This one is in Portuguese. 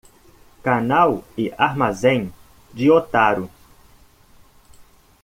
Canal e Armazém de Otaru